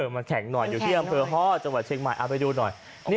มาแข่งหน่อยอยู่ที่อำเภอฮ่อจังหวัดเชียงใหม่เอาไปดูหน่อย